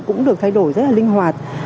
cũng được thay đổi rất là linh hoạt